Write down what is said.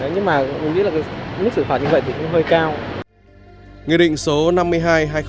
nhưng mà mình nghĩ là cái mức xử phạt như vậy thì cũng hơi cao